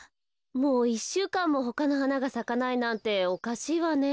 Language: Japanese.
もう１しゅうかんもほかのはながさかないなんておかしいわね。